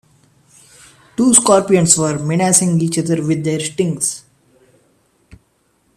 Two scorpions were menacing each other with their stings.